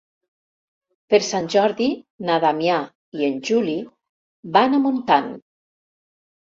Per Sant Jordi na Damià i en Juli van a Montant.